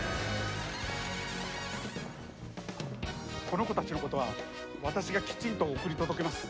この子たちのことは私がきちんと送り届けます。